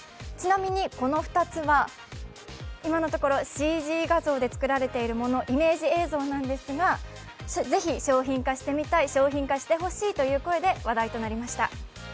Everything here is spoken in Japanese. ちなみに、この２つは、今のところＣＧ画像で作られているもの、イメージ映像なんですが、ぜひ商品化してみたい、商品化してほしいという声で話題となりました。